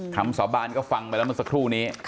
คำสาบานก็ฟังไปแล้วนึงสักครู่นี้